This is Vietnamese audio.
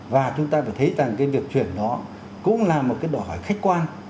và chúng ta phải thấy rằng cái việc chuyển nó cũng là một cái đòi hỏi khách quan